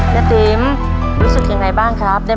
ย่าติ๋มรู้สึกอย่างไรบ้างครับ